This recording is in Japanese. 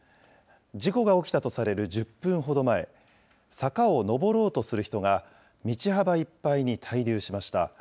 事故が起きたとされる１０分ほど前、坂を上ろうとする人が、道幅いっぱいに滞留しました。